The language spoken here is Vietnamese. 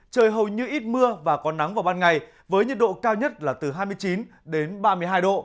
trời hầu như ít mưa và có nắng vào ban ngày với nhiệt độ cao nhất là từ hai mươi chín đến ba mươi hai độ